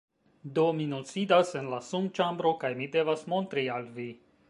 Do mi nun sidas en la sunĉambro kaj mi devas montri al vi.